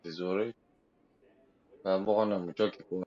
rufaa ya kesi hiyo iliikataliwa na mahakama ya mataifa